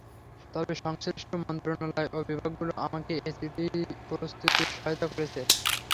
তবে সংশ্লিষ্ট মন্ত্রণালয় ও বিভাগগুলো আমাকে এ চিঠি প্রস্তুতে সহায়তা করেছে।